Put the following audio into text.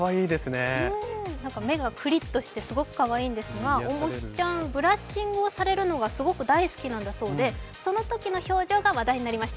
目がクリっとしてすごくかわいいんですが、おもちちゃん、ブラッシングされるのが大好きだそうで、その表情が大バズりとなりました。